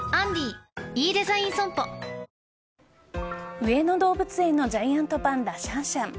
上野動物園のジャイアントパンダシャンシャン。